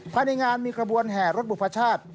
ภายในงานมีขบวนแห่รถบุพชาติ